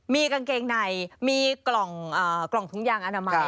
มีกางเกงในมีกล่องถุงยางอนามัย